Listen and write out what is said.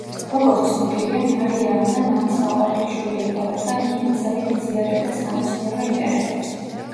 როგორც ცნობილია, მარია ანა მამის საყვარელი შვილი იყო, რადგან იგი მასავით იზიარებდა სამეცნიერო ინტერესებს.